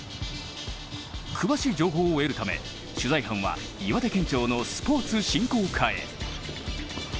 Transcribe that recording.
詳しい情報を得るため、取材班は岩手県庁のスポーツ振興課へ。